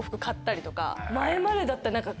前までだったら。